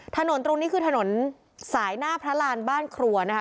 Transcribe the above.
ถนนตรงนี้คือถนนสายหน้าพระรานบ้านครัวนะคะ